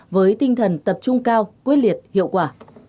với tinh thần tập trung cao quyết liệt hiệu quả